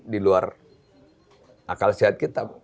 di luar akal sehat kita